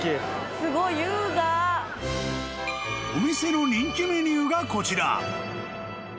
［お店の人気メニューがこちら］